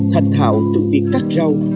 thành thạo từ việc cắt rau